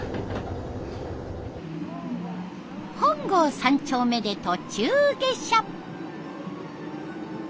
本郷三丁目で途中下車。